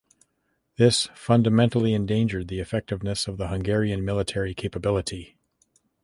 This fundamentally endangered the effectiveness of the Hungarian military capability.